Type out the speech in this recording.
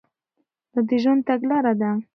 دا د ژوند تګلاره ده.